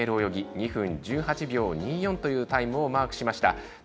２分１８秒２４というタイムをマークしました。